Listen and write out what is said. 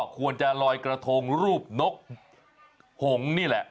ควรจะลอยกระทงรูปนกหงนี่แหละ